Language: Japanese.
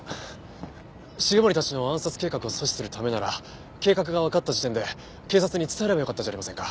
繁森たちの暗殺計画を阻止するためなら計画がわかった時点で警察に伝えればよかったじゃありませんか。